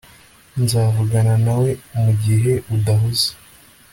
Nzavugana nawe mugihe udahuze